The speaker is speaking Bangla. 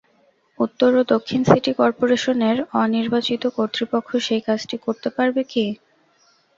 উত্তর ও দক্ষিণ সিটি করপোরেশনের অনির্বাচিত কর্তৃপক্ষ সেই কাজটি করতে পারবে কি